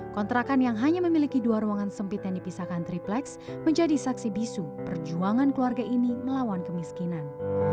kontrakan yang hanya memiliki dua ruangan sempit yang dipisahkan triplex menjadi saksi bisu perjuangan keluarga ini melawan kemiskinan